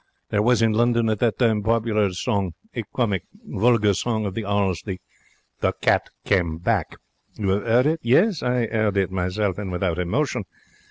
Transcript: There was in London at that time popular a song, a comic, vulgar song of the 'Alls, 'The Cat Came Back'. You 'ave 'eard it? Yes? I 'eard it myself, and without emotion.